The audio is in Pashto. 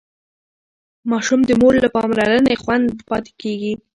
ماشوم د مور له پاملرنې خوندي پاتې کېږي.